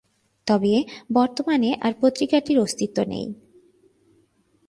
তবে বর্তমানে আর পত্রিকাটির অস্তিত্ব নেই।